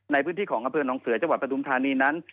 ในพื้นที่ของอำเภอหนองเสือจังหวัดปฐุมธานีนั้น